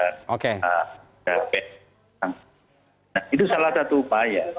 nah itu salah satu upaya